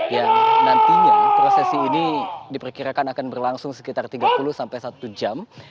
yang nantinya prosesi ini diperkirakan akan berlangsung sekitar tiga puluh sampai satu jam